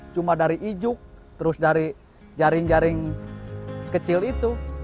cuma dari ijuk terus dari jaring jaring kecil itu